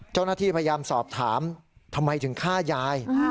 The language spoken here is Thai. เจ้าหน้าที่พยายามสอบถามทำไมถึงฆ่ายาย